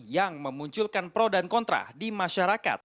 yang memunculkan pro dan kontra di masyarakat